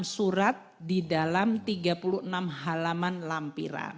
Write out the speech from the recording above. satu ratus sembilan puluh enam surat di dalam tiga puluh enam halaman lampiran